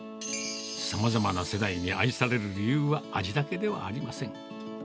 さまざまな世代に愛される理由は、味だけではありません。